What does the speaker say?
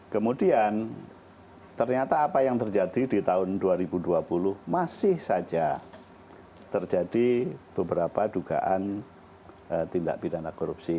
kemudian ternyata apa yang terjadi di tahun dua ribu dua puluh masih saja terjadi beberapa dugaan tindak pidana korupsi